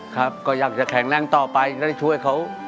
ครับก็อยากจะแข็งแรงต่อไปและได้ช่วยเขา